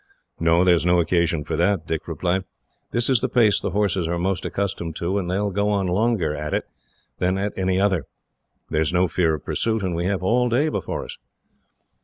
"No, there is no occasion for that," Dick replied. "This is the pace the horses are most accustomed to, and they will go on longer, at it, than at any other. There is no fear of pursuit, and we have all day before us."